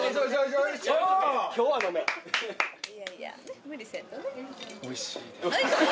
おいしい？